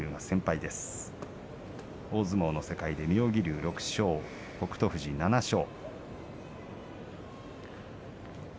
大相撲の世界で妙義龍、６勝北勝富士が７勝。